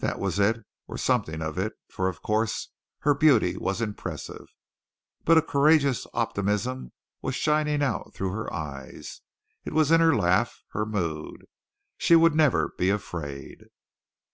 That was it or something of it, for of course her beauty was impressive, but a courageous optimism was shining out through her eyes. It was in her laugh, her mood. She would never be afraid.